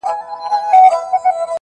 • مدرسې به وي تړلي ورلوېدلي وي قلفونه -